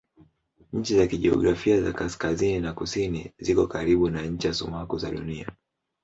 Ncha za kijiografia za kaskazini na kusini ziko karibu na ncha sumaku za Dunia.